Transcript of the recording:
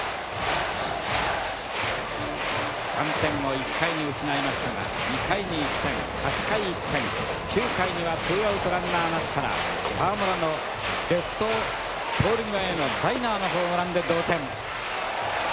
３点を１回に失いましたが２回に１点８回１点９回にはツーアウトランナーなしから澤村のレフトポール際へのライナーのホームランで同点。